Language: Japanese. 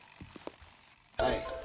はい。